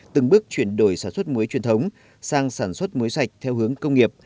từng bước chuyển đổi sản xuất muối truyền thống sang sản xuất muối sạch theo hướng công nghiệp